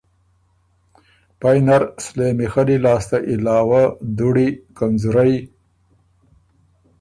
پئ نر سلېمی خلی لاسته علاوۀ دُړی، کنځورئ